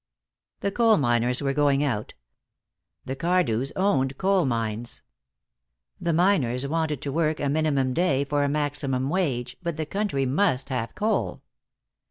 The coal miners were going out. The Cardews owned coal mines. The miners wanted to work a minimum day for a maximum wage, but the country must have coal.